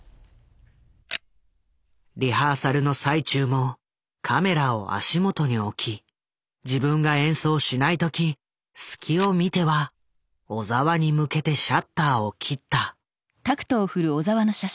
リハーサルの最中もカメラを足元に置き自分が演奏しない時隙を見ては小澤に向けてシャッターを切った。